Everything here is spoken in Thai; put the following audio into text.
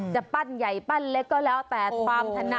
จะปั้นใหญ่ปั้นเล็กก็แล้วแต่ความถนัด